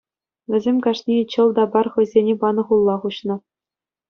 Вӗсем кашнийӗ чӑл та пар хӑйсене панӑ хулла хуҫнӑ.